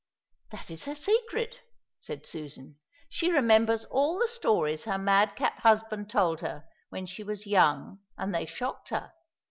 "That is her secret," said Susan; "she remembers all the stories her madcap husband told her when she was young and they shocked her.